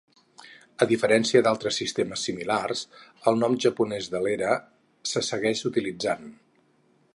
A diferència d'altres sistemes similars, el nom japonès de l'era se segueix utilitzant.